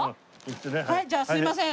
はいじゃあすいません。